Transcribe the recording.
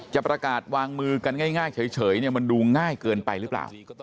จะประกาศวางมือกันง่ายเฉยมันดูง่ายเกินไปหรือเปล่า